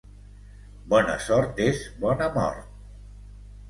Bona sort és bona mort.